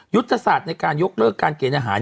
ยุทธศาสตร์ในการยกเลิกการเกณฑ์อาหาร